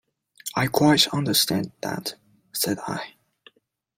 "I quite understand that," said I.